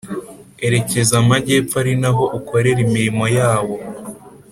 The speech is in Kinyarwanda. Erekeza Amajyepfo ari naho ukorera imirimo yawo